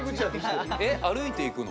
え歩いて行くの？